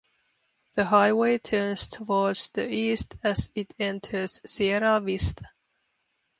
The highway turns towards the east as it enters Sierra Vista.